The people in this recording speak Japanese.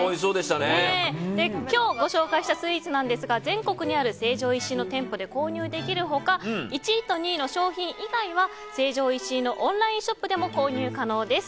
今日ご紹介したスイーツなんですが全国にある成城石井の店舗で購入できる他１位と２位の商品以外は成城石井のオンラインショップでも購入可能です。